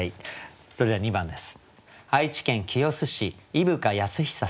それでは２番です。